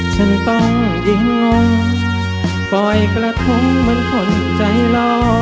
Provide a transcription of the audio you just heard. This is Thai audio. ฉันต้องยิ่งงงปล่อยกระทงเหมือนคนใจรอ